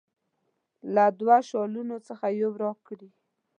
له دوه شالونو څخه یو راکړي.